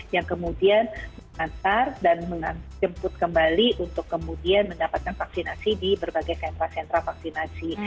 yang kemudian mengantar dan menjemput kembali untuk kemudian mendapatkan vaksinasi di berbagai sentra sentra vaksinasi